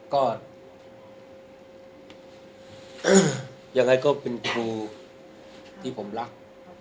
ก็ยังไงก็เป็นครูที่ผมรัก